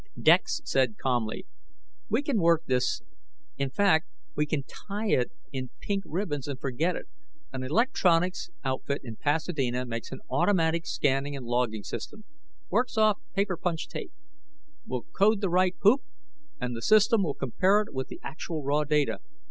Dex said calmly, "We can work this in fact, we can tie it in pink ribbons and forget it. An electronics outfit in Pasadena makes an automatic scanning and logging system. Works off punched paper tape. We'll code the right poop, and the system will compare it with the actual raw data.